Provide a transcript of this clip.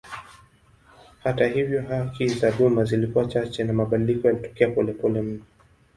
Hata hivyo haki za duma zilikuwa chache na mabadiliko yalitokea polepole mno.